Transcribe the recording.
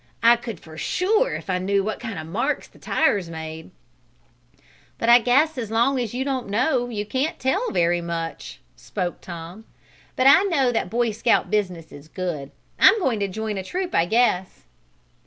I could for sure if I knew what kind of marks the tires made." "But as long as you don't know you can't tell very much," spoke Tom. "But I know that Boy Scout business is good. I'm going to join a troop, I guess."